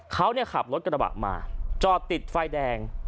เขาขับรถกระบะมาจอดติดไฟแดง